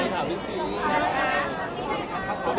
สวัสดีครับ